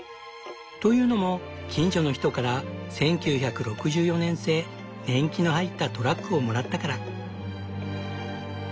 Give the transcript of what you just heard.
というのも近所の人から１９６４年製年季の入ったトラックをもらったから。